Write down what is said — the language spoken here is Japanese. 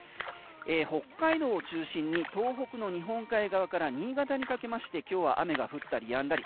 北海道を中心に東北の日本海側から新潟にかけまして今日は雨が降ったりやんだり。